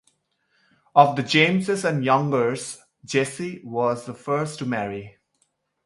Of the Jameses and Youngers, Jesse was the first to marry.